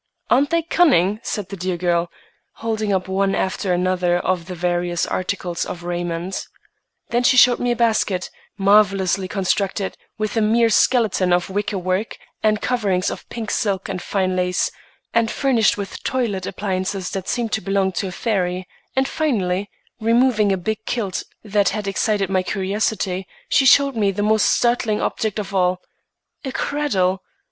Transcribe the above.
"Aren't they cunning?" said the dear girl, holding up one after another of the various articles of raiment. Then she showed me a basket, marvellously constructed, with a mere skeleton of wicker work and coverings of pink silk and fine lace, and furnished with toilet appliances that seemed to belong to a fairy; and finally, removing a big quilt that had excited my curiosity, she showed me the most startling object of all,—a cradle!